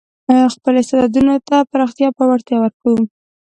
خپل استعدادونو ته پراختیا او پیاوړتیا ورکړو.